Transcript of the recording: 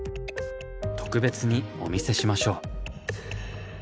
特別にお見せしましょう。